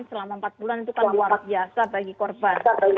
selama empat bulan itu kan warak biasa bagi korban